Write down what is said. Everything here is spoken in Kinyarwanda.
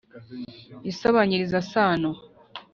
isobanyiriza sano